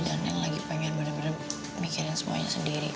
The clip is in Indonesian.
dan neng lagi pengen bener bener mikirin semuanya sendiri